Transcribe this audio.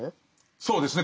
そうですね。